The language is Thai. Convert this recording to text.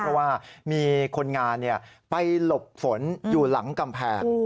เพราะว่ามีคนงานไปหลบฝนอยู่หลังกำแพง